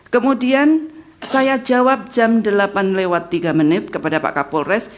kemudian saya jawab jam delapan lewat tiga menit kepada pak kapolres